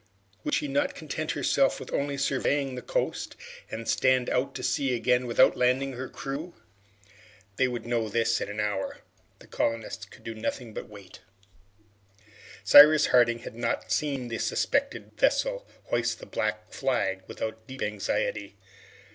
Would she not content herself with only surveying the coast, and stand out to sea again without landing her crew? They would know this in an hour. The colonists could do nothing but wait. Cyrus Harding had not seen the suspected vessel hoist the black flag without deep anxiety.